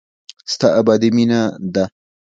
ستا ابدي مينه ده.